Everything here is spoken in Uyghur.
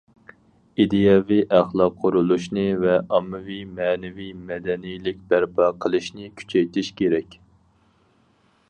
ئىدىيەۋى- ئەخلاق قۇرۇلۇشنى ۋە ئاممىۋى مەنىۋى مەدەنىيلىك بەرپا قىلىشنى كۈچەيتىش كېرەك.